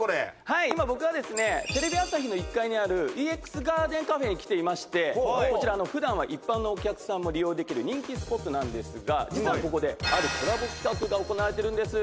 はい今僕はですねテレビ朝日の１階にあるＥＸＧＡＲＤＥＮＣＡＦＥに来ていましてこちら普段は一般のお客さんも利用できる人気スポットなんですが実はここであるコラボ企画が行われているんです。